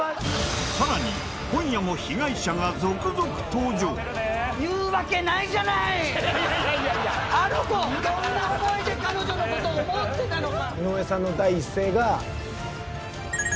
さらに今夜もあの子がどんな思いで彼女のことを思ってたのか！